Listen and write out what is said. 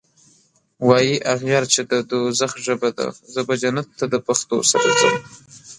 واي اغیار چی د دوږخ ژبه ده زه به جنت ته دپښتو سره ځم